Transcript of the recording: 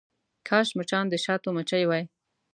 کاش مچان د شاتو مچۍ وی.